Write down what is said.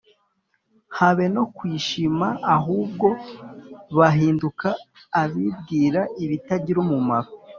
habe no kuyishima ahubwo bahinduka abibwira ibitagira umumaro